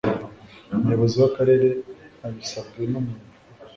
umuyobozi w akarere abisabwe n umuntu